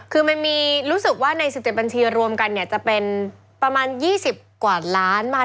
คือมันมีรู้สึกว่าใน๑๗บัญชีรวมกันเนี่ยจะเป็นประมาณ๒๐กว่าล้านมา